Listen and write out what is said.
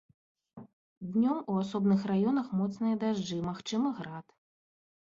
Днём у асобных раёнах моцныя дажджы, магчымы град.